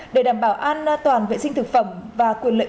để đảm bảo an toàn vệ sinh thực phẩm và quyền lợi